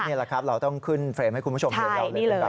นี่แหละครับเราต้องขึ้นเฟรมให้คุณผู้ชมยาวเลย